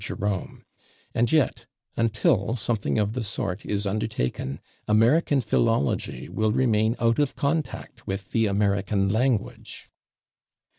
Jerome, and yet, until something of the sort is undertaken, American philology will remain out of contact with the American language.